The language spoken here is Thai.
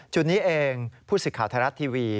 จุดนี้เองผู้สึกขาวธรรทร์ทีวี